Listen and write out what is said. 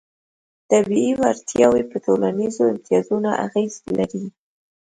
طبیعي وړتیاوې په ټولنیزو امتیازونو اغېز لري.